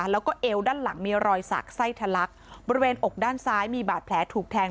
แล้วก็เอวด้านหลังมีรอยสักไส้ทะลักบริเวณอกด้านซ้ายมีบาดแผลถูกแทง